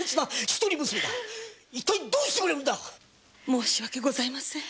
申し訳ございません。